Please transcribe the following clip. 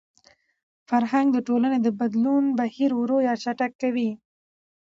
فرهنګ د ټولني د بدلون بهیر ورو يا چټک کوي.